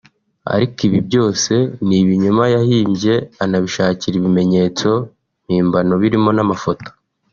ariko ibi byose ni ibinyoma yahimbye anabishakira ibimenyetso mpimbano birimo n’amafoto